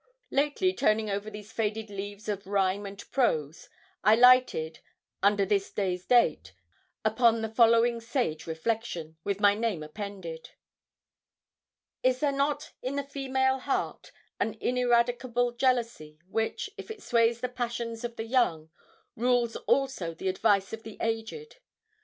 Lately, turning over these faded leaves of rhyme and prose, I lighted, under this day's date, upon the following sage reflection, with my name appended: 'Is there not in the female heart an ineradicable jealousy, which, if it sways the passions of the young, rules also the advice of the aged?